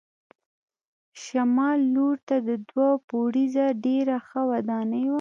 شمال لور ته دوه پوړیزه ډېره ښه ودانۍ وه.